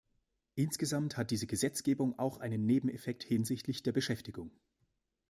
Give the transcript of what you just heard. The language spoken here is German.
Insgesamt hat diese Gesetzgebung auch einen Nebeneffekt hinsichtlich der Beschäftigung.